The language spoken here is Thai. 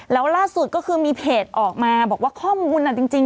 แล้วล่าสุดก็คือมีเพจออกมาบอกว่าข้อมูลจริง